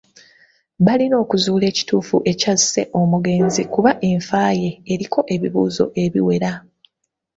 Balina okuzuula ekituufu ekyasse omugezi kuba enfa ye eriko ebibuuzo ebiwera.